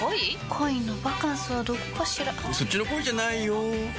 恋のバカンスはどこかしらそっちの恋じゃないよ